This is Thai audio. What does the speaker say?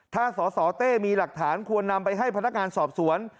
ถ้าสสเต้มีหลักฐานควรนำไปให้พนักงานสอบสวน